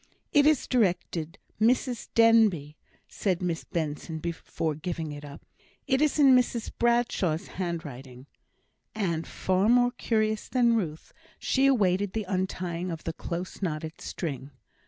"It is directed 'Mrs Denbigh,'" said Miss Benson, before giving it up. "It is in Mrs Bradshaw's handwriting;" and, far more curious than Ruth, she awaited the untying of the close knotted string.